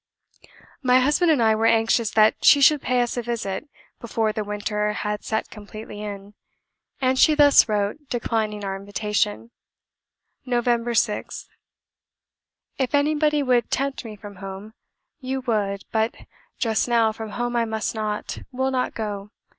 My husband and I were anxious that she should pay us a visit before the winter had set completely in; and she thus wrote, declining our invitation: "Nov. 6th. "If anybody would tempt me from home, you would; but, just now, from home I must not, will not go.